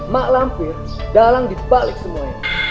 mak lampir dalang dibalik semuanya